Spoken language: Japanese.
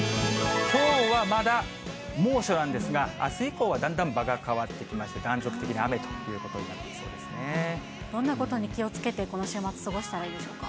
きょうはまだ猛暑なんですが、明日以降はだんだん場が変わってきまして、断続的に雨ということどんなことに気をつけて、この週末過ごしたらいいでしょうか。